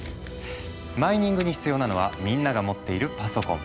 マイニングに必要なのはみんなが持っているパソコン。